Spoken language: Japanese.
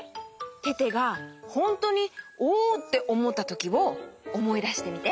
テテがホントにおっておもったときをおもいだしてみて。